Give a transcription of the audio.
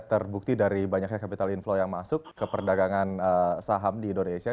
terbukti dari banyaknya capital inflow yang masuk ke perdagangan saham di indonesia